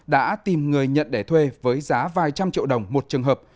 đã tìm người nhận để thuê với giá vài trăm triệu đồng một trường hợp